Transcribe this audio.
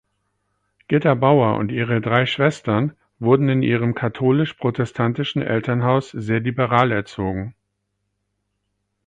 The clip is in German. Gitta Bauer und ihre drei Schwestern wurden in ihrem katholisch-protestantischen Elternhaus sehr liberal erzogen.